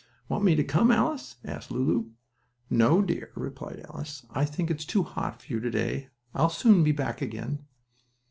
"Want me to come, Alice?" asked Lulu. "No, dear," replied her sister. "I think it is too hot for you to day. I'll soon be back again."